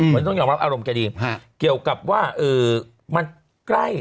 มันต้องยอมรับอารมณ์แกดีเกี่ยวกับว่ามันใกล้